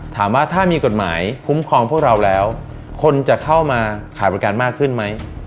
ถามว่าถ้ามีกฎหมายคุ้มครองพวกเราแล้วคนจะเข้ามาขาดประกันมากขึ้นไหม